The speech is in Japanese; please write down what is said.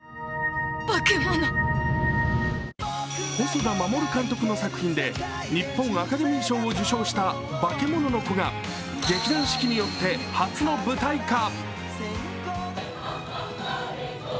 細田守監督の作品で日本アカデミー賞を受賞した「バケモノの子」が劇団四季によって初の舞台化。